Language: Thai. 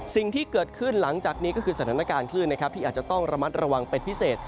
สิ่งที่เกิดขึ้นหลังจากนี้ก็คือสถานการณ์คลื่นนะครับที่อาจจะต้องระมัดระวังเป็นพิเศษ